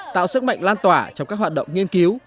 tạo sức mạnh lan tỏa trong các hoạt động nghiên cứu